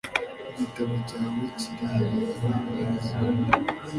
"Igitabo cyawe kiri he?" "Ku meza."